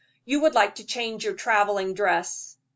You would like to change your traveling dress."